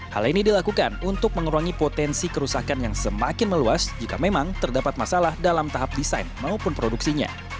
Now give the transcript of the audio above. hal ini dilakukan untuk mengurangi potensi kerusakan yang semakin meluas jika memang terdapat masalah dalam tahap desain maupun produksinya